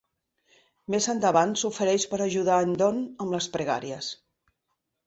Més endavant s'ofereix per ajudar en Don amb les pregàries.